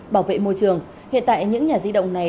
bảo vệ môi trường hiện tại những nhà di động này